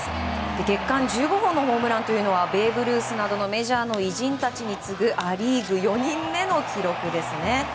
月間１５本のホームランというのはベーブ・ルースなどのメジャーの偉人に次ぐア・リーグ４人目の記録です。